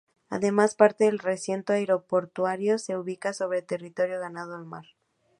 Además, parte del recinto aeroportuario se ubica sobre terreno ganado al mar.